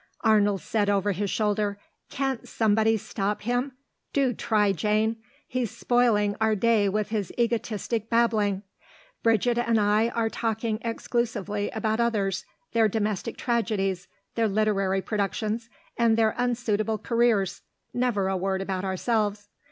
Arnold said over his shoulder, "Can't somebody stop him? Do try, Jane. He's spoiling our day with his egotistic babbling. Bridget and I are talking exclusively about others, their domestic tragedies, their literary productions, and their unsuitable careers; never a word about ourselves.